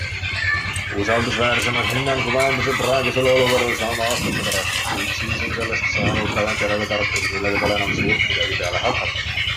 Usaldusväärsema hinnangu majanduse praegusele olukorrale saame aastate pärast, kuid siis on sellest saanud tagantjärele tarkus, millega pole enam suurt midagi peale hakata.